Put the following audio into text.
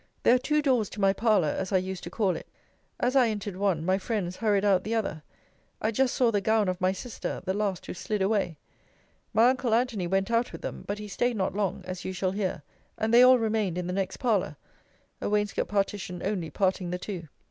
There are two doors to my parlour, as I used to call it. As I entered one, my friends hurried out the other. I just saw the gown of my sister, the last who slid away. My uncle Antony went out with them: but he staid not long, as you shall hear; and they all remained in the next parlour, a wainscot partition only parting the two.